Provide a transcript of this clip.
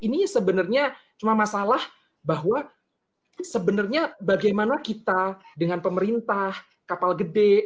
ini sebenarnya cuma masalah bahwa sebenarnya bagaimana kita dengan pemerintah kapal gede